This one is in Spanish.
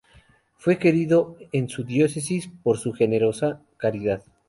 Fue querido en su diócesis por su generosa caridad.